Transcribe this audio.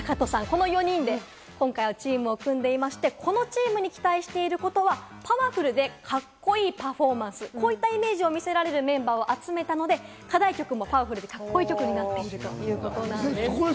この４人で今回はチームを組んでいまして、このチームに期待していることは、パワフルでカッコいいパフォーマンス、こういったイメージを見せられるメンバーを集めたので、課題曲もパワフルでカッコいい曲になっているということなんです。